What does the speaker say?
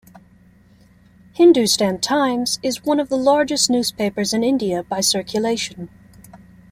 "Hindustan Times" is one of the largest newspapers in India, by circulation.